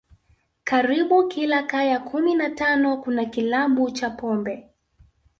Karibu kila kaya kumi na tano kuna kilabu cha pombe